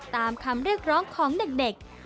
ตามคำเรียกร้องของเด็ก